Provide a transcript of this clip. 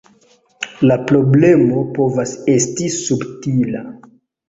La problemo povas esti subtila.